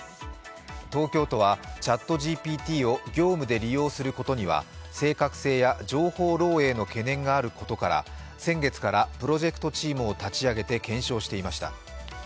東京都はＣｈａｔＧＰＴを業務で利用することには正確性や情報漏えいの懸念があることから先月からプロジェクトチームを立ち上げて検証していました。